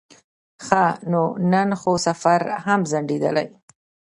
ښه نو نن خو سفر هم ځنډېدلی.